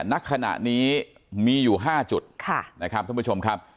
นักขณะนี้มีอยู่ห้าจุดค่ะนะครับท่านผู้ชมครับ